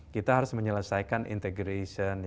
kita harus menyelesaikan integration